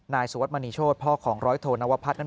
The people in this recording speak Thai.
สวดมณีโชธพ่อของร้อยโทนวพัฒน์นั้น